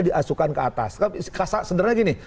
diasuhkan ke atas sebenarnya gini